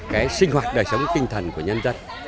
cái sinh hoạt đời sống tinh thần của nhân dân